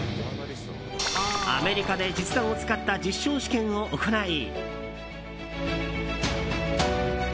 アメリカで実弾を使った実証試験を行い。